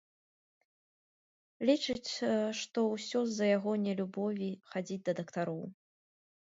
Лічыць, што ўсё з-за яго нелюбові хадзіць да дактароў.